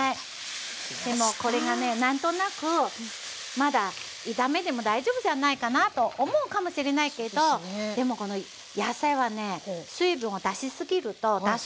でもうこれがね何となくまだ炒めても大丈夫じゃないかなと思うかもしれないけどでもこの野菜はね水分を出し過ぎると脱水状態になりますから。